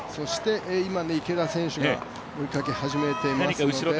今、池田選手が追いかけ始めています。